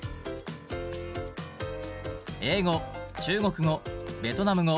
中国語ベトナム語